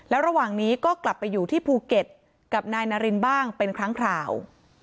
แล้วระหว่างนี้ก็กลับไปอยู่ที่ภูเก็ตกับนายนารินบ้างเป็นครั้งคราว